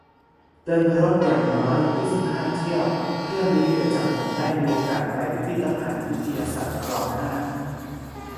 เดินรถอย่างน้อย ยี่สิบห้า เที่ยว เรื่องนี้เกิดจากผมได้มีโอกาสไปพิพิธภัณฑ์ วิทยาศาสตร์ คลอง ห้า